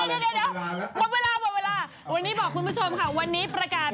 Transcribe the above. วันนี้บอกคุณผู้ชมค่ะวันนี้ประกาศ